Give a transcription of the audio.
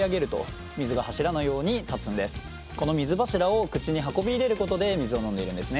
この水柱を口に運び入れることで水を飲んでいるんですね。